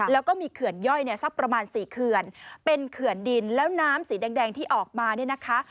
แล้วก็มีเขื่อนย่อยเนี่ยสักประมาณ๔เขื่อนเป็นเขื่อนดินแล้วน้ำสีแดงที่ออกมาเนี่ยนะคะ